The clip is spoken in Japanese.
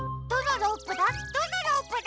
どのロープだ？